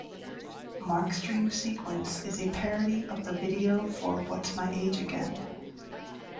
Mark's dream sequence is a parody of the video for What's My Age Again?